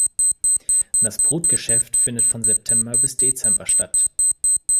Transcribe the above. Das Brutgeschäft findet von September bis Dezember statt.